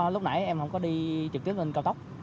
lúc nãy em không có đi trực tiếp lên cao tốc